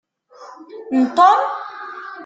N Tom?